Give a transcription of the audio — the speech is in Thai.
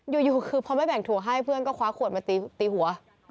อยู่คือพอไม่แบ่งถั่วให้เพื่อนก็คว้าขวดมาตีหัว